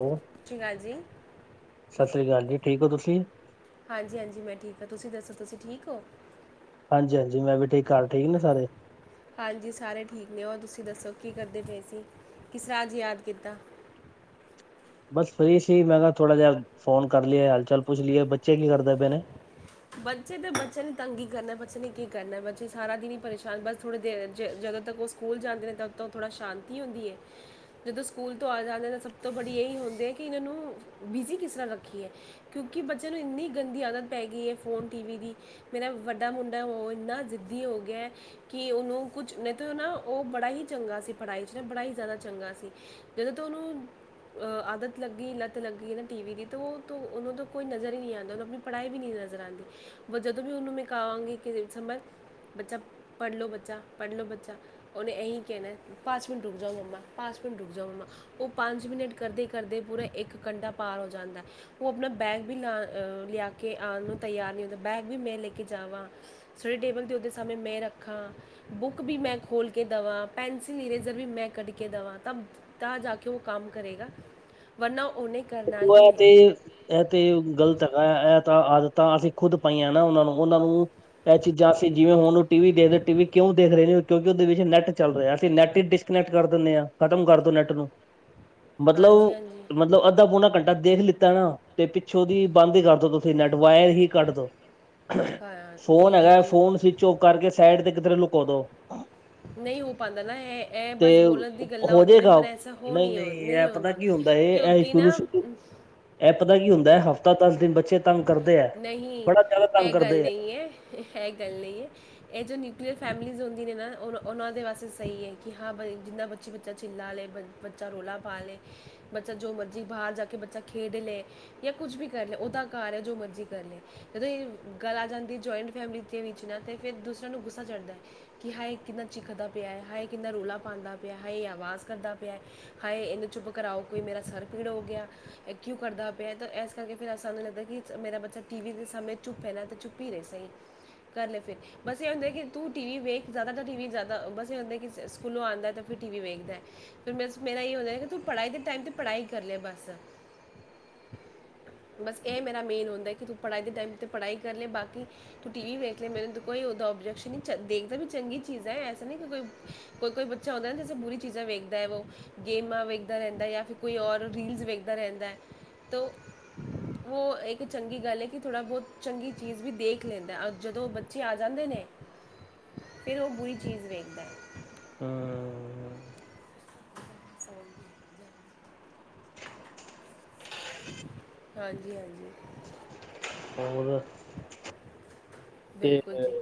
ਹੋ ਚੰਗਾ ਜੀ ਸਤਿ ਸ਼੍ਰੀ ਅਕਾਲ ਜੀ ਠੀਕ ਹੋ ਤੁਸੀਂ ਹਾਂਜੀ ਹਾਂਜੀ ਮੈਂ ਠੀਕ ਹਾਂ ਤੁਸੀਂ ਦੱਸੋ ਤੁਸੀਂ ਠੀਕ ਹੋ ਹਾਂਜੀ ਹਾਂਜੀ ਮੈਂ ਵੀ ਠੀਕ ਘਾਰ ਠੀਕ ਨੇ ਸਾਰੇ ਹਾਂਜੀ ਸਾਰੇ ਠੀਕ ਨੇ ਉਹ ਤੁਸੀਂ ਦੱਸੋ ਕੀ ਕਰਦੇ ਪਏ ਸੀ ਕਿਸ ਤਰ੍ਹਾਂ ਅੱਜ ਯਾਦੱ ਕੀਤਾ ਬਸ ਫ੍ਰੀ ਸੀ ਮੈਂ ਕਿਹਾ ਥੋੜਾ ਜਿਹਾ ਫੋਨ ਕਰ ਲਈਏ ਹਾਲ ਚਾਲ ਪੁੱਛ ਲਈਏ ਬੱਚੇ ਕੀ ਕਰਦੇ ਪਏ ਨੇ ਬੱਚੇ ਤਾਂ ਬੱਚਿਆਂ ਲਈ ਤੰਗੀ ਕਰਨਾ ਬੱਚੇ ਲਈ ਕੀ ਕਰਨਾ, ਬੱਚੇ ਸਾਰਾ ਦਿਨ ਹੀ ਪਰੇਸ਼ਾਨ ਬਸ ਥੋੜੀ ਦੇਰ ਜਦੋਂ ਤੱਕ ਔ ਸਕੂਲ ਸਕੂਲ ਜਾਂਦੇ ਨੇ ਤਾਂ ਉਥ ਥੜਾ ਸ਼ਾਂਤੀ ਹੁੰਦੀ ਹੈ ਜਦੋਂ ਸਕੂਲ ਤੋਂ ਆ ਜਾਂਦੇ ਤਾਂ ਸਭ ਤੋਂ ਬੜੀ ਇਹੀ ਹੁੰਦੀ ਹੈ ਕਿ ਇਹਨਾਂ ਨੂੰ ਬਿਜ਼ੀ ਕਿਸ ਤਰ੍ਹਾਂ ਰੱਖੀਏ ਕਿਉਂਕਿ ਬੱਚਿਆਂ ਨੂੰ ਇੰਨੀ ਗੰਦੀ ਆਦਤ ਪੈ ਗਈ ਹੈ ਫ਼ੋਨ ਟੀ ਵੀ ਦੀ, ਮੇਰਾ ਵੱਡਾ ਮੁੰਡਾ ਉਹ ਇੰਨਾ ਜ਼ਿੱਦੀ ਹੋ ਗਿਆ ਕਿ ਉਹਨੂੰ ਕੁਛ, ਨਹੀਂ ਤਾਂ ਨਾ ਉਹ ਬੜਾ ਹੀ ਚੰਗਾ ਸੀ ਪੜ੍ਹਾਈ 'ਚ ਨਾ ਬੜਾ ਹੀ ਜ਼ਿਆਦਾ ਚੰਗਾ ਸੀ ਜਦੋਂ ਤੋ ਉਹਨੂੰ ਆਦਤ ਲੱਗੀ ਲੱਤ ਲੱਗੀਈ ਨਾ ਟੀ ਵੀ ਦੀ, ਤਾਂ ਉਹ ਉਹਨੂੰ ਤੋਂ ਕੋਈ ਨਜ਼ਰ ਹੀ ਨਹੀਂ ਆਉਂਦਾ ਉਹਨੂੰ ਆਪਣੀ ਪੜ੍ਹਾਈ ਵੀ ਨਹੀਂ ਨਜ਼ਰ ਆਉਂਦੀ ਜਦੋਂ ਵੀ ਉਹਨੂੰ ਮੈਂ ਕਵਾਂਗੀ ਕਿ ਸੰਭਰ ਬੱਚਾ ਪੜ੍ਹ ਲਓ ਬੱਚਾ ਪੜ੍ਹ ਲਓ ਬੱਚਾ ਉਹਨੇ ਇਹੀ ਕਹਿਣਾ ਐ ਪਾਚ ਮਿੰਟ ਰੁਕ ਜਾਔ ਮਮਾ ਪਾਚ ਮਿੰਟ ਰੁਕ ਜਾਔ ਮਮਾ ਉਹ ਪੰਜ ਮਿੰਟ ਕਰਦੇ ਕਰਦੇ ਪੂਰਾ ਇੱਕ ਘੰਟਾ ਪਾਰ ਹੋ ਜਾਂਦਾ ਉਹ ਆਪਣਾ ਬੈਗ ਵੀ ਲਾ ਅਹ ਲਿਆ ਕੇ ਆਉਣ ਨੂੰ ਤਿਆਰ ਨਹੀਂ ਹੁੰਦਾ, ਬੈਗ ਵੀ ਮੈਂ ਲੈ ਕੇ ਜਾਵਾਂ ਸਟੱਡੀ ਟੇਬਲ ਤੇ ਉਹਦੇ ਸਾਮਨੇ ਮੈਂ ਰੱਖਾਂ ਬੁੱਕ ਵੀ ਮੈਂ ਖੋਲ ਕੇ ਦਵਾਂ, ਪੈਨਸਿਲ ਇਰੇਜਰ ਵੀ ਮੈਂ ਕੱਢ ਕੇ ਦਵਾਂ ਤ ਤਾਂ ਜਾ ਕੇ ਉਹ ਕੰਮ ਕਰੇਗਾ ਵਰਨਾ ਔ ਨਹੀ ਕਰ ਖ ਤੇ ਇਹ ਤੇ ਗ਼ਲਤ ਹੈਗਾ, ਇਹ ਤਾਂ ਆਦਤਾਂ ਅਸੀਂ ਖੁੱਦ ਪਾਈਆਂ ਨਾ ਉਹਨਾਂ ਨੂੰ ਉਹਨਾਂ ਨੂੰ ਇਹ ਚੀਜ਼ਾਂ ਸੀਂ ਜਿਵੇਂ ਹੁਣ ਉਹ ਟੀ ਵੀ ਦੇਖਦੇ ਟੀ ਵੀ ਕਿਉਂ ਦੇਖ ਰਹੇ ਨੇ ਕਿਉਂਕਿ ਉਹਦੇ ਵਿੱਚ ਨੈਟ ਚੱਲ ਰਿਹਾ ਅਸੀਂ ਨੈੱਟ ਹੀ ਡਿਸਕਨੈਕਟ ਕਰ ਦਿੰਦੇ ਹਾਂ ਖਤਮ ਕਰਦੋ ਨੈੱਟ ਨੂੰ ਮਤਲਬ ਔ, ਹਾਂਜੀ ਹਾਂਜੀ ਮਤਲਬ ਅ ਅਧਾ ਪੋਣਾ ਘੰਟਾ ਦੇਖ ਲਿੱਤਾ ਨਾ ਤੇ ਪਿੱਛੋਂਦੀ ਬੰਦ ਹੀ ਕਰਦੋ ਤੁਸੀਂ ਨੈਟ ਵਇਰ ਹੀ ਕੱਢ ਦੋ ਹਾਂ ਫੋਨ ਜੀ ਜੀ ਹੈਗਾ ਜੀ ਫੋਨ ਅਸੀ ਚੁਕ ਕਰਕੇ ਸਾਈਡ ਤੇ ਕਿਧਰੇ ਲੁਕਾ ਦੋ ਨਹੀਂ ਹੋ ਪਾਉਂਦਾ ਨਾ, ਇਹ ਇਹ ਤੇ ਬਸ ਬੋਲਣ ਦੀ ਗੱਲਾਂ ਹੋ ਹੁੰਦੀਆਂ ਨੇ ਜਾਏਗਾ ਪਰ ਐਸਾ ਹੋ ਨਹੀਂ ਇਹ ਨਹੀਂ ਪਤਾ ਹੁੰਂਦਾ ਕੀ ਹੁੰਦਾ ਇਹ ਐ ਸ਼ੁਰੂ ਸ਼ੁਰੂ ਇਹ ਪਤਾ ਕੀ ਹੁੰਦਾ ਹੈ, ਹਫ਼ਤਾ ਦਸ ਦਿਨ ਬੱਚੇ, ਤੰਗ ਕਰਦੇ ਹੈ, ਨਹੀਂ ਬੜਾ ਜ਼ਿਆਦਾ ਤੰਗ ਇਹ ਗੱਲ ਕਰਦੇ ਹੈ। ਨਹੀਂ ਹੈ ਗੱਲ ਨਹੀਂ ਹੈ, ਇਹ ਜੋ ਨਿਊਕਲੀਅਰ ਫੈਮਿਲੀਜ਼ ਹੁੰਦੀਆਂ ਨੇ ਨਾ, ਉਹ ਉਹਨਾਂ ਦੇ ਵਾਸਤੇ ਸਹੀ ਹੈ, ਕਿ ਹਾਂ ਬਈ ਜਿੰਨਾ ਬੱਚੀ ਬੱਚਾ ਚਿੱਲਾ ਲੇ ਬ, ਬੱਚਾ ਰੌਲਾ ਪਾ ਲੇ, ਬੱਚਾ ਜੋ ਮਰਜ਼ੀ ਬਾਹਰ ਜਾ ਕੇ ਬੱਚਾ ਖੇਡ ਲੈ ਜਾਂ ਕੁੱਛ ਵੀ ਕਰ ਲੈ ਉਹਦਾ ਘਰ ਹੈ ਜੋ ਮਰਜ਼ੀ, ਸਹੀ ਗੱਲ ਏ ਜਦੋਂ ਇਹ ਗੱਲ ਆ ਜਾਂਦੀ, ਜੁਆਇੰਟ ਫੈਮਿਲੀ ਦੇ ਵਿੱਚ ਨਾ ਤੇ ਫਿਰ ਦੂਸਰਿਆਂ ਨੂੰ ਗੁੱਸਾ ਚੜ੍ਹਦਾ ਹੈ। ਕਿ ਹਾਏ ਕਿੰਨਾ ਚਿੱਖਦਾ ਪਿਆ ਹੈ, ਹਾਏ ਕਿੰਨਾ ਰੌਲਾ ਪਾਉਂਦਾ ਪਿਆ ਹਾਏ ਆਵਾਜ਼ ਕਰਦਾ ਪਿਆ ਹੈ। ਹਾਏ ਇਹਨੂੰ ਚੁੱਪ ਕਰਾਓ ਕੋਈ ਮੇਰਾ ਸਰ ਪੀੜ ਹੋ ਗਿਆ। ਇਹ ਕਿਉਂ ਕਰਦਾ ਪਿਆ, ਤੇ ਇਸ ਕਰਕੇ ਫਿਰ ਅਸਾਨੂੰ ਲੱਗਦਾ ਕਿ ਮੇਰਾ ਬੱਚਾ, ਅੱਛਾ ਟੀ ਵੀ ਦੇ ਸਮੇਂ ਚੁੱਪੲਏ ਪਹਿਲਾ ਤਾਂ ਚੁੱਪ ਹੀ ਨਹੀਂਹੇ ਸਹੀ ਕਰ ਲ ਫਿਰ, ਬਸ ਇਹ ਹੂੰਦਾ ਕਿ, ਤੂੰ, ਟੀ ਵੀ ਵੇਖ, ਜਿਆਦਾਤਰ ਟੀ ਵੀ, ਜਿਆਦਾ, ਬਸ, ਇਹੁੰਦਾ, ਕਿ, ਸਕੂਲੋਂ, ਆਂਦਾ ਤਾਂ ਫਿਰ ਟੀ ਵੀ ਵੇਖਦਾ ਹੈ। ਫਿਰ ਬਸ ਮੇਰਾ ਇਹੀ ਹੁੰਦਾ, ਕਿ ਤੂੰ ਪੜ੍ਹਾਈ ਦੇ ਟਾਈਮ ਤੇ ਪੜ੍ਹਾਈ ਕਰ ਲੈ ਬਸ, ਬਸ ਇਹ ਮੇਰਾ ਮੇਨ ਹੁੰਦਾ ਕਿ ਤੂੰ ਪੜ੍ਹਾਈ ਦੇ ਟਾਈਮ ਤੇ ਪੜ੍ਹਾਈ ਕਰ ਲੇ ਬਾਕੀ। ਤੂੰ ਟੀ ਵੀ ਵੇਖ ਲੈ ਮੈਨੂੰ ਤੂੰ ਕੋਈ, ਉਹਦਾ ਓਬਜੈਕਸ਼ਨ ਨਹੀਂ, ਦੇਖਦਾ, ਵੀ ਚੰਗੀ ਚੀਜ਼, ਹੈ ਐਸਾ ਨਹੀਂ ਕਿ, ਕੋਈ। ਕੋਈ ਕੋਈ ਬੱਚਾ ਆਉਂਦਾ ਨਾ ਜੇਸੇ ਬੁਰੀ ਚੀਜ਼ਾਂ ਵੇਖਦਾ ਹੈ ਵੋ, ਗੇਮਾਂ ਵੇਖਦਾ ਰਹਿੰਦਾ ਜਾਂ, ਫਿਰ ਕੋਈ ਔਰ, ਰੀਲਜ ਵੇਖਦਾ ਰਹਿੰਦਾ ਤੋ, ਉਹ ਇੱਕ ਚੰਗੀ, ਗੱਲ ਏ ਹੈ ਕਿ ਥੋੜ੍ਹਾ ਬਹੁਤ, ਚੰਗੀ ਚੀਜ਼ ਵੀ ਦੇਖ ਲੈਂਦਾ ਜਦੋਂ ਬੱਚੇ, ਆ ਜਾਂਦੇ ਨੇ, ਫਿਰ ਉਹ ਬੁਰੀ ਚੀਜ਼ ਵੇਖਦਾ, ਹਮ।। ਅ ਹਾਂਜੀ ਹਾਂਜੀ। ਹੋਰ, ਤੇ ਬਿਲਕੁਲ ਜੀ,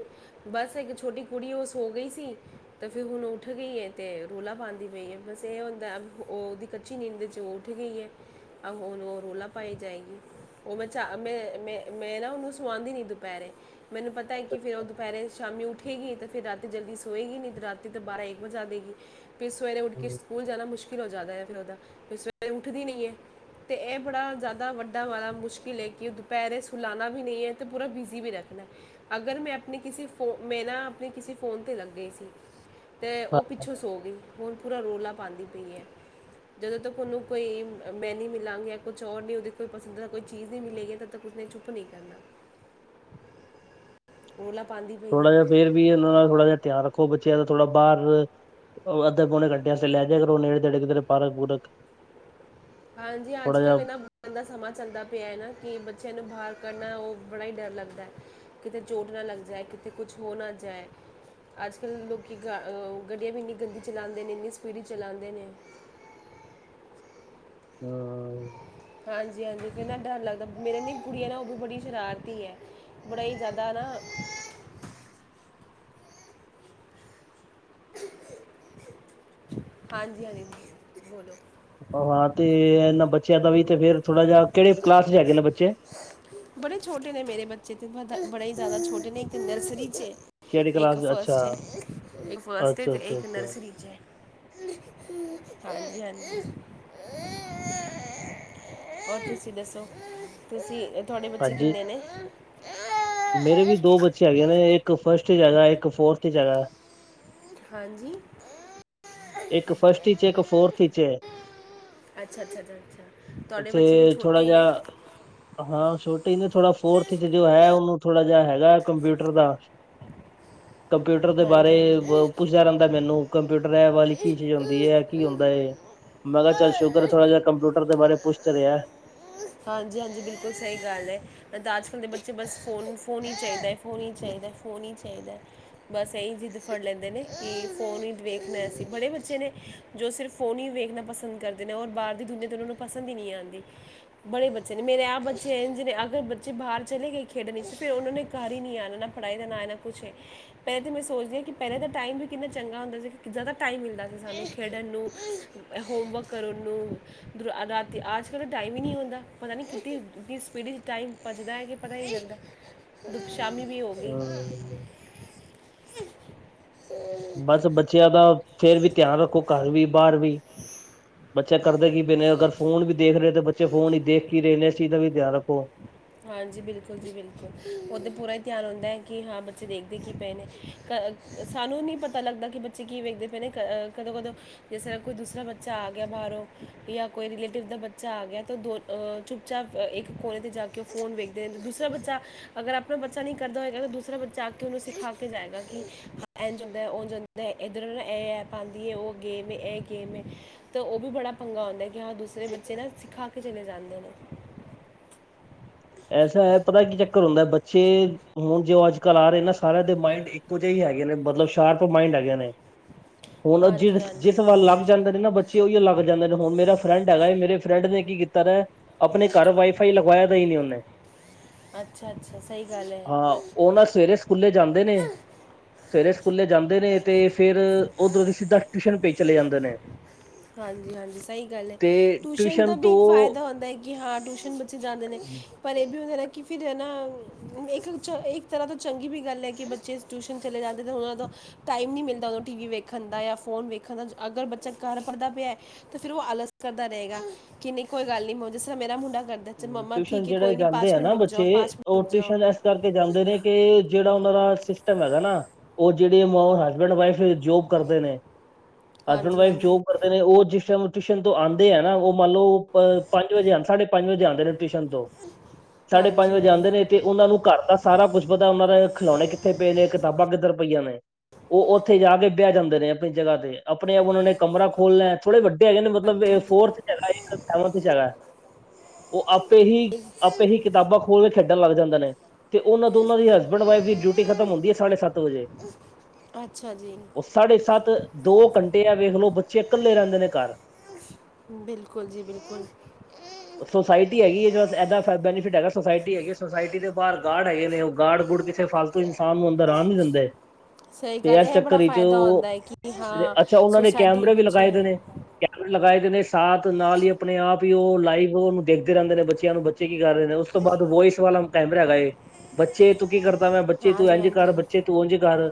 ਬਸ ਇੱਕ ਛੋਟੀ ਕੁੜੀ ਉਹ ਸੋ ਗਈ ਸੀ। ਤੇ ਫਿਰ ਹੁਣ ਉੱਠ ਗਈਏ ਤੇ, ਰੌਲਾ ਪਾਾਂਂਦੀ ਪਈ ਹੈ ਬਸ ਇਹ ਹੋਦਾ ਉਹ ਉਹਦੀ, ਕੱਚੀ ਨੀਂਦ ਚ ਉਹ ਉੱਠ ਗਈ ਏ, ਆਹ ਹੁਣ ਉਹ ਰੌਲਾ ਪਾਏ ਜਾਏਗੀ। ਉਹ ਮੈਂ ਬੱਚਾ, ਮੈਂ, ਮੈਂ, ਮੈਂ ਨਾ ਉਹਨੂੰ ਸਵਾਉਦੀ ਨਹੀਂ ਦੁਪਹਿਰੇ, ਮੈਨੂੰ ਪਤਾ ਹੈ ਕਿ ਫਿਰ ਉਹ ਦੁਪਹਿਰੇ, ਸ਼ਾਮੀ ਉੱਠੇਗੀ, ਤਾਂ ਫਿਰ ਰਾਤੀ ਜਲਦੀ ਸੋਏਗੀ ਨਹੀਂ ਅਤੇ ਰਾਤੀ ਤੋਂ ਬਾਰਾਂ ਇੱਕ ਵਜੇ ਆ ਦੇਵੇਗੀ। ਫਿਰ ਸਵੇਰੇ ਉੱਠ ਕੇ ਸਕੂਲ ਜਾਣਾ ਮੁਸ਼ਕਿਲ ਹੋ ਜਾਦਾ ਹੈ ਫਿਰ ਉਹਦਾ, ਫਿਰ ਸਵੇਰੇ ਉੱਠਦੀ ਨਹੀਂ ਹੈ। ਤੇ ਇਹ ਬੜਾ, ਜ਼ਿਆਦਾ ਵੱਡਾ ਵਾਲਾ ਮੁਸ਼ਕਿਲ ਏ ਕਿ ਦੁਪਹਿਰੇ ਸੁਲਾਣਾ ਵੀ ਨਹੀਂ ਹੈ ਤੇ ਪੂਰਾ ਵੀਜ਼ੀ ਵੀ ਰੱਖਣਾ, ਅਗਰ ਮੈਂ ਆਪਣੇ ਕਿਸੇ ਫੋ, ਮੈਂ ਨਾ, ਆਪਣੇ ਕਿਸੇ ਫੋਨ ਤੇ ਰੱਖ ਗਈ ਸੀ ਤੇ, ਉਹ ਪਿੱਛੋਂ ਸੋ ਗਈ, ਹੁਣ ਪੂਰਾ ਰੋਲਾ ਪਾਉਂਦੀ ਪਈ ਏ, ਜਦੋਂ ਤੱਕ ਉਹਨੂੰ ਕੋਈ, ਮੈਨੀ ਮਿਲਾਂਗੀ ਕੁਛ ਔਰ ਨਹੀਂ ਉਹਦੇ ਕੋ ਪਸੰਦ ਦਾ ਕੋਈ ਚੀਜ਼ ਨਹੀਂ ਮਿਲੇਗੀ ਤਦੋਂ ਤੱਕ ਉਹਨੇ ਚੱਪ, ਚੁੱਪ ਨਹੀਂ ਕਰਨਾ। ਰੋਲਾ ਪਾਉਂਦੀ ਪਈ ਥੋੜਾ ਹੈ ਜਿਹਾ ਫੇਰ ਵੀ ਇਹਨਾਂ ਦਾ ਥੋੜਾ ਜਿਹਾ ਧਿਆਨ ਰੱਖੋ ਬੱਚਿਆਂ ਦਾ ਥੋੜਾ ਬਾਹਰ, ਉਹ ਅੱਧੇ ਪੋਣੇ ਘੰਟੇ ਵਾਸਤੇ ਲੈ ਜਿਆ ਕਰੋ ਉਹ ਨੇੜੇ ਤੇੜੇ ਕਿਧਰੇ ਪਾਰਕ ਪੂਰਕ। ਹਾਂਜੀ ਅੱਜ ਥੋੜਾ ਜਿਹਾ ਕੱਲ੍ਹ ਇਹਨਾਂ ਇਦਾ ਦਾ ਸਮਾਂ ਚੱਲਦਾ ਪਿਆ ਹੈ, ਨਾ ਕਿ ਬੱਚਿਆਂ ਨੂੰ ਬਾਹਰ ਕੱਢਨਾ ਉਹ ਬੜਾ ਹੀ ਡਰ ਲੱਗਦਾ ਹੈ। ਕਿਤੇ ਚੋਟ ਨਾ ਲੱਗ ਜਾਏ ਕਿਤੇ ਕੁਛ ਹੋ ਨਾ ਜਾਏ। ਅੱਜ ਕੱਲ੍ਹ ਲੋਕੀ, ਗ, ਗੱਡੀਆਂ ਵੀ ਇੰਨੀ ਗੰਦੀ ਚਲਉਂਦੇ ਨੇ ਇੰਨੀ ਸਪੀਡੀ ਚ ਚਲਉਦੇ ਨੇ, ਹਾਂ। ਹਾਂਜੀ, ਹਾਂਜੀ ਕਿੰਨਾ ਡਰ ਲੱਗਦਾ ਮੇਰੀ ਜੇਹੜੀ ਕੁੜੀਆਂ ਨਾ ਉਹ ਵੀ ਬੜੀ ਸ਼ਰਾਰਤੀ ਹੈ। ਬੜਾ ਹੀ ਜ਼ਿਆਦਾ ਨਾ, ਹਾਂਜੀ, ਹਾਂਜੀ ਬੋਲੋ, ਆਹੋ ਹਾਂ ਤੇ, ਇਹਨਾਂ ਬੱਚਿਆਂ ਦਾ ਵੀ ਤੇ ਫੇਰ ਥੋੜਾ ਜਿਹਾ ਕਿਹੜੇ ਕਲਾਸ ਚ ਹੈਗੇ ਨੇ ਬੱਚੇ। ਬੜੇ ਛੋਟੇ ਨੇ ਮੇਰੇ ਬੱਚੇ ਤੇ ਬਦਾ ਬੜੇ ਹੀ ਜ਼ਿਆਦਾ ਛੋਟੇ ਨੇ ਇੱਕ ਤੇ ਨਰਸਰੀ ਚ ਏ। ਕਿਹੜੀ ਇੱਕ ਕਲਾਸ ਅੱਛਾ ਫਸਟ ਹੈ, ਇੱਕ ਫਸਟ ਹੈ, ਅੱਛਾ ਤੇ ਅੱਛਾ ਇੱਕ ਅੱਛਾ ਨਰਸਰੀ 'ਚ ਹੈ। ਹਾਂਜੀ ਹਾਜੀ ਹੋਰ ਤੁਸੀਂ ਦੱਸੋ, ਤੁਸੀਂ, ਤੁਹਾਡੇ ਬੱਚੇ ਹਾਂਜੀ ਕਿੰਨੇ ਨੇ। ਮੇਰੇ ਵੀ ਦੋ ਬੱਚੇ ਹੈਗੇ ਨੇ, ਇੱਕ ਫਸਟ ਈਚ ਹੈਗਾ, ਇੱਕ ਫੋਰਥ ਈਚ ਹੈਗਾ। ਹਾਂਜੀ ਉ। ਇੱਕ ਫਸਟ ਈਚ ਏ ਇੱਕ ਫੋਰਥ ਈਚ ਏ। ਅੱਛਾ ਅੱਛਾ ਅ ਅੱਛਾ ਤੁਹਾਡੇ ਬੱਚੇ ਵੀ ਤੇ ਥੋੜਾ ਛੋਟੇ ਈ ਜਿਹਾ ਨੇ। ਹਾਂ ਛੋਟੇ ਈ ਨੇ ਥੋੜਾ ਫੋਰਥ ਚ ਜੋ ਹੈ ਉਹਨੂੰ ਥੋੜਾ ਜਿਹਾ ਹੈਗਾ ਕੰਪਿਊਟਰ ਦਾ। ਕੰਪਿਊਟਰ ਦੇ ਬਾਰੇ, ਹਾਂਜੀ ਹਾਂਜੀ ਬ, ਪੁੱਛਦਾ ਰਹਿੰਦਾ ਮੈਨੂੰ ਕੰਪਿਊਟਰ ਬ ਕੀ ਚੀਜ਼ ਹੁੰਦੀ ਹੈ ਕੀ ਹੁੰਦਾ ਏ ਮੈਂ ਕਿਹਾ ਚੱਲ ਸ਼ੂਕਰ ਥੋੜ੍ਹਾ ਜਿਹਾ ਕੰਪਿਊਟਰ ਦੇ ਬਾਰੇ ਪੁੱਛ ਤਾਂ ਰਿਹਾ ਹਾਂਜੀ ਹਾਂਜੀ ਬਿਲਕੁਲ ਸਹੀ ਗੱਲ ਹੈ ਨਹੀ ਤਾਂ ਅਜ ਕੱਲ ਦੇ ਬੱਚੇ ਬਸ ਫੋਨ ਫੋਨ ਹੀ ਚਾਹੀਦਾ ਹੈ ਫੋਨ ਹੀ ਚਾਹੀਦਾ ਹੈ ਫੋਨ ਹੀ ਚਾਹੀਦਾ ਹੈ ਬਸ ਇਸੀਂ ਜਿੱਦ ਫੜੀ ਲੈਂਦੇ ਨੇ ਕਿ ਫੋਨ ਹੀ ਵੇਖਣਾ ਐਸੀ, ਬੜੇ ਬੱਚੇ ਨੇ ਜੋ ਸਿਰਫ ਫੋਨ ਹੀ ਵੇਖਣਾ ਪਸੰਦ ਕਰਦੇ ਨੇ, ਔਰ ਬਾਹਰ ਦੀ ਦੁਨੀਆ ' ਉਹਨਾਂ ਨੂੰ ਪਸਦ ਹੀ ਨਹੀਂ ਆਉਂਦੀ ਬੜੇ ਬੱਚੇ ਨੇ, ਮੇਰੇ ਆਹ ਬੱਚੇ ਹੈ ਜਿਨੇ ਅਗ ਬੱਚੇ ਬਾਹਰ ਚਲੇ ਗਏ ਖੇਡਣ 'ਚ ਫਿਰ ਉਹਨਨਾਂ ਨੇ ਘਰ ਹੀ ਨਹੀਂ ਆਉਣਾ ਨਾ ਪੜ੍ਹਾਈ ਦਾ ਨ ਹੈ ਨਾ ਕੁਛ ਏ ਪਹਿਲੇ ਤਾਂ ਮੈਂ ਸੋਚਦੀ ਹਾਂ ਕਿ ਪਹਿਲੇਾਂ ਤਾਂ ਟਾਈਮ ਵੀ ਕਿੰਨਾ ਚੰਗਾ ਹੁੰਦਾ ਸੀ, ਕਿ ਜ਼ਿਆਦਾ ਟਾਈਮ ਮਿਲਦਾ ਸੀ ਸਾਨੂੰ ਖੇਡਣ ਨੂੰ ਹੋਮਵਰਕ ਕਰਨ ਨੂੰ ਰਾਤੀ ਅੱਜ ਕੱਲ੍ਹ ਤਾਂ ਟਾਈਮ ਹੀ ਨਹੀਂ ਹੁੰਦਾ ਪਤਾ ਨਹੀਂ ਕਿਥਨੀ ਸਪੀਡ ਇਚ ' ਟਾਈਮ ਪਝਦਾ ਹੈ ਕਿ ਪਤਾ ਹੀ ਚਲਦਾ ਸ਼ਾਮੀ ਵੀ ਹੋ ਗਈ ਹੂੰ। ਬਸ ਬੱਚਿਆਂ ਦਾ ਫੇਰ ਵੀ ਧਿਆਨ ਰੱਖੋ ਘਰ ਵੀ ਬਾਹਰ ਵੀ ਬੱਚਾ ਕਰਦੇ ਕਿ ਪਏ ਨੇ, ਅਗਰ ਫੋਨ ਵੀ ਦੇਖ ਰਹੇ ਤਾਂ ਬੱਚੇ ਫੋਨ ਹੀ ਦੇਖ ਕੀ ਰਹੇ ਨੇ ਇਸ ਚੀਜ਼ ਦਾ ਵੀ ਧਿਆਨ ਰੱਖੋ ਹਾਂਜੀ ਬਿਲਕੁਲ ਜੀ ਬਿਲਕੁਲ ਉਹ ਤਾਂ ਪੂਰਾ ਹੀ ਧਿਆਨ ਹਉਂਦਾ ਹੈ ਕਿ ਹਾਂ ਬੱਚੇ ਦੇਖਦੇ ਕੀ ਪਏ ਨੇ ਕ ਸਾਨੂੰ ਨਹੀਂ ਪਤਾ ਲੱਗਦਾ ਕਿ ਬੱਚੇ ਕੀ ਵੇਖਦੇ ਪਏ ਨੇ ਕ ਕਦੋਂ ਕਦੋਂ ਜਿਸ ਤਰ੍ਹਾਂ ਕੋਈ ਦੂਸਰਾ ਬੱਚਾ ਆ ਗਿਆ ਬਾਹਰੋਂ, ਜਾਂ ਕੋਈ ਰਲੇਟਿਵ ਦਾ ਬੱਚਾ ਆ ਗਿਆ ਤਾਂ ਦੋ ਅ ਚੁੱਪ ਚਾਪ ਇੱਕ ਕੋਨੇ ਤੇ ਜਾਕੇ ਕਿ ਫੋਨ ਵੇਖਦੇ ਦੂਸਰਾ ਬੱਚਾ ਅਗਰ ਆਪਣਾ ਬੱਚਾ ਨਹੀਂ ਕਰਦਾਏਗਾ ਤਾਂ ਦੂਸਰਾ ਬੱਚਾ ਅ ਕੇ ਉਹਨੂੰ ਸਿਖਾ ਕੇ ਸਿਖਾ ਕੇ ਜਾਏਗਾ ਕਿ ਐਂ ਜਾਂਦਾ ਉਹ ਜਾਂਦਾ ਇੱਧਰ ਇਹ ਐਪ ਆਉਂਦੀ ਹੈ ਉਹ ਗੇਮ ਇਹ, ਔ ਗੇਮ ਹੈ ਤਾਂ ਉਹ ਵੀ ਬੜਾ ਪੰਗਾ ਆੁੰਦਾ ਕਿ ਹਾਂ ਦੂਸਰੇ ਬੱਚੇ ਨਾ ਸਿਖਾ ਕੇ ਚਲੇ ਜਾਂਦੇ ਨੇ ਐਸਾ ਹੈ ਪਤਾ ਕੀ ਚੱਕਰ ਹੁੰਦਾ ਬੱਚੇ ਹੁਣ ਜੇ ਅੱਜ ਕਲਾ ਰੇ ਨਾ ਸਾਰਿਆਂ ਦੇ ਮਾਇੰਡ ਇੱਕੋ ਜਿਹੇ ਹੀ ਹੈਗੇ ਨੇ ਮਤਲਬ ਸ਼ਾਰਪ ਮਾਇਂਡ ਹੈਗੇ ਨੇ ਹੁਣ ਔ ਜਿ ਹਾਂਜੀ ਜਿਸ ਹਾਂਜੀ ਵਲ ਲੱਗ ਜਾਂਦਾ ਨੇ ਨਾ ਬੱਚੇ ਤੇ ਉਹੀ ਲੱਗ ਜਾਂਦੇ ਨੇ ਹੁਣ ਮੇਰਾ ਫਰੈਂਡ ਹੈਗਾ ਏ ਮੇਰੇ ਫਰੈਂਡ ਨੇ ਕੀ ਕੀਤਾ ਦਾ ਆਪਣੇ ਘਰ ਵਾਈਫਾਈ ਲਗਵਾਇਆ ਦਾ ਹੀ ਨਹੀਂ ਉਹਨੇ ਅੱਛਾ ਅੱਛਾ ਸਹੀ ਗੱਲ ਹੈ ਹਾਂ ਉਹ ਨਾਂ ਸਵੇਰੇ ਸਕੂਲੇ ਜਾਂਦੇ ਨੇ ਸਵੇਰੇ ਸਕੂਲੇ ਜਾਂਦੇ ਨੇ ਤੇ ਫੇਰ ਓਧਰੋਂ ਦੀ ਸਿੱਧਾ ਟਿਊਸ਼ਨ ਪੇ ਚਲੇ ਜਾਂਦੇ ਨੇ ਹਾਂਜੀ ਹਾਂਜੀ ਸਹੀ ਗੱਲ ਹੈ ਤੇ ਟਿਊਸ਼ਨ ਦਾ ਵੀ ਤੋਂ ਇੱਕ ਫਾਇਦਾ ਹੁੰਦਾ ਹੈ ਕਿ ਹਾਂ ਟਿਊਸ਼ਨ ਬੱਚੇ ਜਾਂਦੇ ਨੇ ਪਰ ਇਹ ਵੀ ਹੁੰਦੇ ਨਾ ਕਿ ਫਿਰ ਹੈ ਨਾ ਇੱਕ ਇੱਕ ਤਰ੍ਹਾਂ ਤੋਂ ਚੰਗੀ ਵੀ ਗੱਲ ਹੈ ਕਿ ਬੱਚੇ ਟਿਊਸ਼ਨ ਚਲੇ ਜਾਂਦੇ ਤਾਂ ਉਹਨਾਂ ਦਾ ਟਾਈਮ ਨਹੀਂ ਮਿਲਦਾ ਉਹਨੋਂ ਟੀ ਵੀ ਵੇਖਣ ਦਾ ਜਾਂ ਫੋਨ ਵੇਖਣ ਦਾ ਅਗਰ ਬੱਚਾ ਘਰ ਪੜਦਾ ਪਿਆ ਤੇ ਫਿਰ ਉਹ ਆਲਸ ਕਰਦਾ ਰਹੇਗਾ ਕਿ ਨਹੀਂ ਕੋਈ ਗੱਲ ਨਹੀਂ, ਜਿਸ ਤਰ੍ਹਾਂ ਮੇਰਾ ਮੁੰਡਾ ਕਰਦਾ ਅੱਛਾ ਮੰਮਾ ਟਿਊਸ਼ਨ ਠੀਕ ਹੈ ਜਿਹੜੇ ਕੋਈ ਨਹੀਂ ਜਾਂਦੇ ਪਾਚ ਆ ਮਿੰਟ ਨਾ ਰੁਕ ਬੱਚੇ ਜਾਓ ਪਾਚ ਮਿੰਟ ਉਹ ਰੁਕ ਜਾਓ। ਟਿਊਸ਼ਨ ਇਸ ਕਰਕੇ ਜਾਂਦੇ ਨੇ ਕਿ ਜਿਹੜਾ ਉਹਨਾਂ ਦਾ ਸਿਸਟਮ ਹੈਗਾ ਨਾ, ਉਹ ਜਿਹੜੇ ਹਸਬੈਂਡ ਵਾਈਫ ਜੋਬ ਕਰਦੇ ਨੇ, ਹਸਬੈਂਡ ਹਾਂਜੀ ਵਾਈਫ ਹਾਂਜੀ ਜੋਬ ਕਰਦੇ ਨੇ ਉਹ ਜਿਸ ਟਾਈਮ ਟਿਊਸ਼ਨ ਤੋਂ ਆਉਂਦੇ ਹੈ ਨਾ, ਉਹ ਮੰਨ ਲਓ ਅ ਪੰਜ ਵਜੇ ਆ ਸਾਢੇ ਪੰਜ ਵਜੇ ਆਉਂਦੇ ਨੇ। ਟਿਊਸ਼ਨ ਤੋਂ ਸਾਢੇ ਪੰਜ ਹਾਂਜੀ ਵਜੇ ਜਾਂਦੇ ਹਾਂਜੀ ਨੇ ਤੇ ਉਹਨਾਂ ਨੂੰ ਘਰ ਦਾ ਸਾਰਾ ਕੁੱਛ ਪਤਾ, ਉਹਨਾਂ ਦੇ ਖਿਲੌਣੇ ਕਿੱਥੇ ਪਏ ਨੇ, ਕਿਤਾਬਾਂ ਕਿੱਧਰ ਪਈਆਂ ਨੇ ਉਹ ਉੱਥੇ ਜਾ ਕੇ ਬਹਿ ਜਾਂਦੇ ਨੇ ਆਪਣੀ ਜਗ੍ਹਾ ਤੇ। ਆਪਣੇ ਆਪ ਉਹਨਾਂ ਨੇ ਕਮਰਾ ਖੋਲਣਾ ਥੋੜੇ ਵੱਡੇ ਹੈਗੇ ਨੇ ਮਤਲਬ ਹਾਂਜੀ ਇਹ ਹਾਂਜੀ ਫੋਰਥ ਚ ਹੈਗਾ ਸੈਵਥ ਚ ਹੈਗਾ ਉਹ ਆਪੇ ਹੀ ਇੱਕ- ਆਪੇ ਹੀ ਕਿਤਾਬਾਂ ਖੋਲ ਕੇ ਖੇਡਣ ਲੱਗ ਜਾਂਦੇ ਨੇ। ਤੇ ਉਹਨਾਂ ਤੋਂ ਉਹਨਾਂ ਦੀ ਹਸਬੈਂਡ ਵਾਈਫ ਦੀ ਡਿਊਟੀ ਖਤਮ ਹੁੰਦੀ ਹੈ ਸਾਢੇ ਸੱਤ ਵਜੇ ਅੱਛਾ ਜੀ ਸਾਢੇ ਸੱਤ ਦੋ ਘੰਟੇ ਆ ਵੇਖ ਲੋ ਬੱਚੇ ਇਕੱਲੇ ਰਹਿੰਦੇ ਨੇ। ਘਰ ਬਿਲਕੁਲ ਜੀ ਬਿਲਕੁਲ ਸੋਸਾਇਟੀ ਹੈਗੀ ਹੈ ਜਿਹੜਾ ਇਦਾ ਬੈਨੀਫਿਟ ਹੈਗਾ। ਸੋਸਾਇਟੀ ਹੈਗੀ ਹੈ ਸੋਸਾਇਟੀ ਦੇ ਬਾਹਰ ਗਾਰਡ ਹੈਗੇ ਨੇ ਉਹ ਗਾਰਡ ਗੁੜ ਕਿੱਥੇ ਫਸ। ਕੋਈ ਇਨਸਾਨ ਨੂੰ ਅੰਦਰ ਆਰਾਮ ਨੀ ਦਿੰਦੇ ਸਹੀ ਤੇ ਗੱਲ ਇਸ ਇਹ ਚੱਕਰ ਬੜਾ ਵਿੱਚ, ਫਾਇਦਾ ਉਹ ਹੁੰਦਾ ਹੈ ਕਿ ਹਾਂ ਅੱਛਾ ਉਹਨਾਂ ਨੇ ਸੁਸਾਇਟੀ ਕੈਮਰੇ ਵੀ ਵਿੱਚ ਲਗਾਏ ਹੈ ਦੇ ਨੇ। ਕੈਮਰੇ ਲਗਾਏ ਦੇ ਨੇ ਸਾਥ ਨਾਲ ਹੀ ਆਪਣੇ ਆਪ ਹੀ ਉਹ ਲਾਈਵ ਉਹਨੂੰ ਦੇਖਦੇ ਰਹਿੰਦੇ, ਨੇ ਬੱਚਿਆਂ ਨੂੰ ਬੱਚੇ ਕੀ ਕਰ ਰਹੇ ਨੇ, ਉਸ ਤੋਂ ਬਾਅਦ ਵੋਇਸ ਵਾਲਾ ਕੈਮਰਾ ਹੈਗਾ ਏ ਬੱਚੇ ਕੀ ਕਰਦਾ ਬੱਚੇ ਤੂੰ ਹਾਂਜੀ ਇੰਝ ਕਰ ਹਾਂਜੀ ਬੱਚੇ ਤੂੰ ਉਝ ਕਰ,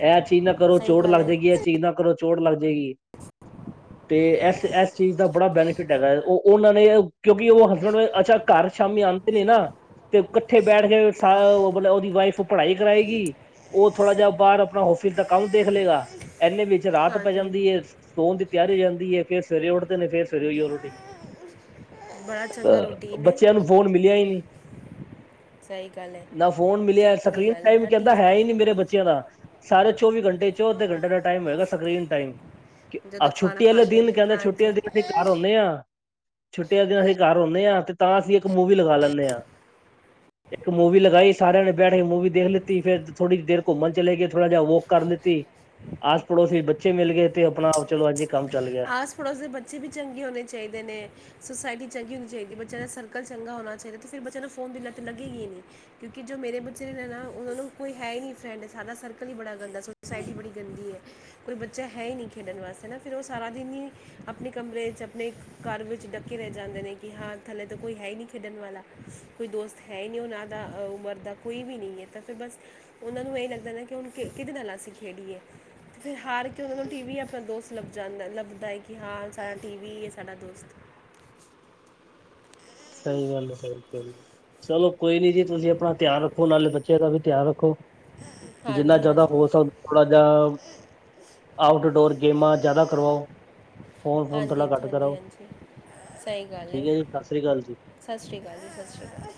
ਇਹ ਚੀਜ਼ ਨਾ ਕਰੋ ਸਹੀ ਚੋਟ ਗੱਲ ਲੱਗ ਹੈ ਜਾਏਗੀ। ਇਹ ਚੀਜ਼ ਨਾ ਕਰੋ ਚੋਟ ਲੱਗ ਜਾਏਗੀ। ਤੇ ਇਸ ਇਸ ਚੀਜ਼ ਦਾ ਬੜਾ ਬੈਨੀਫਿਟ ਹੈਗਾ। ਉਹ ਉਹਨਾਂ ਨੇ, ਕਿਉਂਕਿ ਉਹ ਹਸਬੈਂਡ ਅੱਛਾ ਘਰ ਸ਼ਾਮੀ ਆਉਂਦੇ ਨੇ ਨਾ। ਤੇ ਇਕੱਠੇ ਬੈਠ ਕੇ ਮਤਲਬ ਉਹਦੀ ਵਾਈਫ ਪੜ੍ਹਾਈ ਕਰਾਏਗੀ। ਉਹ ਥੋੜ੍ਹਾ ਜਿਹਾ ਬਾਹਰ ਆਪਣਾ ਓਫਿਸ ਦਾ ਕੰਮ ਦੇਖ ਲਏਗਾ ਇਨੇ ਵਿੱਚ, ਰਾਤ ਪੈ ਹਾਂਜੀ ਜਾਂਦੀ ਹੈ, ਸੌਣ ਦੀ ਤਿਆਰੀ ਹੋ ਜਾਂਦੀ, ਫੇਰ ਸਵੇਰੇ ਉੱਠਦੇ ਨੇ ਫੇਰ ਸਵੇਰੇ ਉਹੀ ਰਟੀਨ ਬੜਾ ਚੰਗਾ ਰੂਟੀਨ ਹੈ ਬੱਚਿਆਂ ਨੂੰ ਫੋਨ ਮਿਲਿਆ ਹੀ ਨਹੀ। ਸਹੀ ਗੱਲ ਹੈ ਨਾ ਫੋਨ ਮਿਲਿਆ ਚੰਗੀ ਸਕਰੀਨ ਗੱਲ ਹੈ ਟਾਈਮ ਨਾ ਕਹਿੰਦਾ ਟੀਮ ਹੈ ਹੀ ਨਹੀਂ। ਮੇਰੇ ਬੱਚਿਆਂ ਦਾ, ਸਾਰੇ ਚੌਵੀ ਘੰਟੇ ਚੋਂ ਅਧੇ ਘੰਟੇ ਦਾ ਟਾਈਮ ਹੋਏਗਾ, ਸਕਰੀਨ ਟਾਈਮ ਜਦੋਂ ਖਾਣਾ ਛੁੱਟੀ ਵਾਲੇ ਖਾਂਦੇ ਦਿਨ ਨੇ ਕਹਿੰਦੇ ਛੁੱਟੀ ਵਾਲੇ ਦਿਨ ਅਸੀਂ ਹਾਂਜੀ ਘਰ ਆਉਂਦੇ ਆ ਦਿਨ ਅਸੀਂ ਘਰ ਆਉਦੇ ਹਾਂ, ਤੇ ਤਾਂ ਅਸੀਂ ਇੱਕ ਮੂਵੀ ਲਗਾ ਲੈਂਦੇ ਹਾਂ। ਇੱਕ ਮੂਵੀ ਲਗਾਈ ਸਾਰਿਆਂ ਨੇ ਬੈਠ ਕੇ ਮੂਵੀ ਦੇਖ ਲੈਤੀ, ਫੇਰ ਥੋੜੀ ਦੇਰ ਘੁੰਮਣ ਚਲੇ ਕੇ, ਥੋੜਾ ਜਿਹਾ ਵੌਕ ਕਰ ਲੈਤੀ ਆਸ ਪੜੋਸੀ ਬੱਚੇ ਮਿਲ ਗਏ, ਤੇ ਆਪਣਾ ਆਪ ਚਲੋ ਅੱਜ ਕੰਮ ਚੱਲ ਗਿਆ। ਥੋਡੇ ਜਿਹੇ ਬੱਚੇ ਵੀ ਚੰਗੇ ਹੋਣੇ ਚਾਹੀਦੇ ਨੇ, ਸੋਸਾਇਾਈਟੀ ਚੰਗੀ ਹੋਣੀ ਚਾਹੀਦੀ। ਬੱਚਿਆਂ ਦਾ ਸਰਕਲ ਚੰਗਾ ਹੋ ਚਾਹੀਦਾ। ਫਿਰ ਬੱਚਿਆਂ ਨੂੰ ਫੋਨ ਦੀ ਲੱਤ ਲੱਗੇ ਹੀ ਨਹੀਂ ਕਿਉਂਕਿ ਜੋ ਮੇਰੇ ਬੱਚੇ ਨੇ ਨਾ, ਉਹਨਾਂ ਨੂੰ ਕੋਈ ਹੈ ਹੀ ਨਹੀਂ ਫਰੈਂਡ ਸਾਡਾ ਸਰਕਲ ਹੀ ਬੜਾ ਗੰਦਾ। ਸੋਸਾਇਟੀ ਬੜੀ ਗੰਦੀ ਹੈ। ਕੋਈ ਬੱਚਾ ਹੈ ਹੀ ਨਹੀਂ ਖੇਡਣ ਵਾਸਤੇ, ਹਨਾ ਫਿਰ ਉਹ ਸਾਰਾ ਦਿਨ ਹੀ ਆਪਣੇ ਕਮਰੇ ਚ ਆਪਣੇ, ਘਰ ਵਿੱਚ ਡੱਕੇ ਰਹਿ ਜਾਂਦੇ ਨੇ, ਕਿ ਹਾਂ ਥੱਲੇ ਤਾਂ ਕੋਈ ਹੈ ਹੀ ਨਹੀਂ ਖੇਡਣ ਵਾਲਾ ਕੋਈ ਦੋਸਤ ਹੈ ਹੀ ਨਹੀਂ ਉਹਨਾਂ ਦਾ ਉਮਰ ਦਾ ਕੋਈ ਵੀ ਨਹੀਂ ਹੈ, ਤਾਂ ਫਿਰ ਬਸ। ਉਹਨਾਂ ਨੂੰ ਇਹ ਲੱਗਦਾ ਨਾ, ਕਿ ਹੁਣ ਕਿ ਕਿਹਦੇ ਨਾਲ ਅਸੀਂ ਖੇਡੀਏ। ਫਿਰ ਹਾਰ ਕੇ ਉਹਨਾਂ ਨੂੰ ਟੀ ਵੀ ਆਪਾਂ ਦੋਸਤ ਲੱਭ ਜਾਂਦਾ ਲੱਭਦਾ ਕਿ, ਹਾਂ ਸਾਰਾ ਟੀ ਵੀ ਸਾਡਾ ਦੋਸਤ। ਸਹੀ ਗੱਲ ਹੈ, ਸਹੀ ਗੱਲ ਚਲੋ ਕੋਈ ਨੀ ਜੀ, ਤੁਸੀਂ ਆਪਣਾ ਧਿਆਨ ਰੱਖੋ ਨਾਲੇ ਬੱਚੇ। ਬੱਚਿਆਂ ਦਾ ਵੀ ਧਿਆਨ ਰੱਖੋ। ਜਿੰਨਾ ਹਾਂਜੀ ਜ਼ਿਆਦਾ ਹਾਂਜੀ ਹੋ ਸਕਦਾ ਥੋੜਾ ਜਿਹਾ। ਆਊਟਡੋਰ ਗੇਮਾਂ ਜ਼ਿਆਦਾ ਕਰਵਾਓ, ਫੋਨ ਫੋਨ ਥੋੜ੍ਹਾ ਹਾਂਜੀ ਘੱਟ ਹਾਂਜੀ ਕਰਾਓ। ਹਾਂਜੀ ਸਹੀ ਗੱਲ ਹੈ, ਠੀਕ, ਸਤਿ ਸ੍ਰੀ ਅਕਾਲ ਜੀ ਸਤਿ ਸ਼੍ਰੀ ਅਕਾਲ, ਸਤਿ ਸ਼੍ਰੀ ਅਕਾਲ